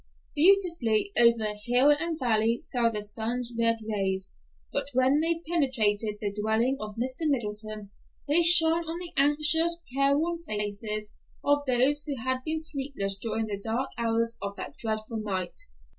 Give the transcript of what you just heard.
Beautifully over hill and valley fell the sun's red rays, but when they penetrated the dwelling of Mr. Middleton, they shone on the anxious, careworn faces of those who had been sleepless during the dark hours of that dreadful night.